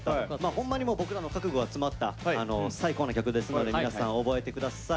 ホンマにもう僕らの覚悟が詰まった最高の曲ですので皆さん覚えて下さい。